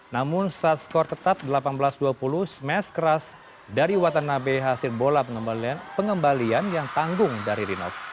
namun saat skor ketat delapan belas dua puluh smash keras dari watanabe hasil bola pengembalian yang tanggung dari rinov